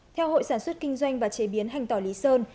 theo hội sản xuất kinh doanh và chế biến hành tỏ lý sơn